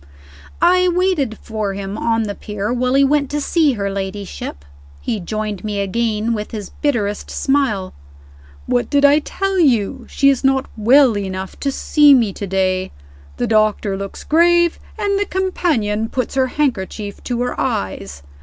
I waited for him on the pier while he went to see her ladyship. He joined me again with his bitterest smile. "What did I tell you? She is not well enough to see me to day. The doctor looks grave, and the companion puts her handkerchief to her eyes.